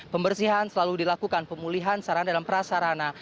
pembersihan selalu dilakukan pemulihan sarana dan prasarana